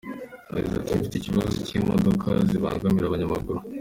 Yagize ati “Mfite ikibazo cy’imodoka zibangamira abanyamaguru.